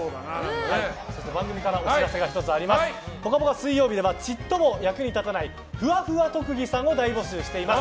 水曜日ではちっとも役に立たないふわふわ特技さんを大募集しています。